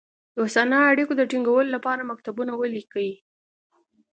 دوستانه اړېکو د تینګولو لپاره مکتوبونه ولیکي.